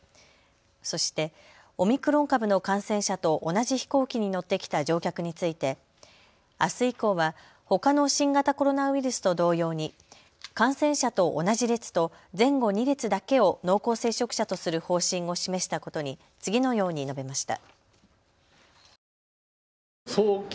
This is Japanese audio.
そして、オミクロン株の感染者と同じ飛行機に乗ってきた乗客についてあす以降は、ほかの新型コロナウイルスと同様に感染者と同じ列と、前後２列だけを濃厚接触者とする方針を示したことに次のように述べました。